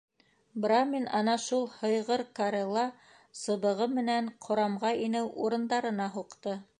Брамин ана шул һыйғыр карела сыбығы менән ҡорамға инеү урындарына һуҡты.